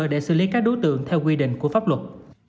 để xử lý các đối tượng theo quy định của pháp luật